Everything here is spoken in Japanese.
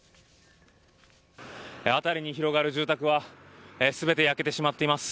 辺りに広がる住宅は全て焼けてしまっています。